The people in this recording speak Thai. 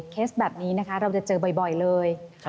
เคสแบบนี้นะคะเราจะเจอบ่อยเลย